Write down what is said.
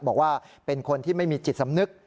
บอกว่าเป็นคนที่ไม่มีจิตสำนึก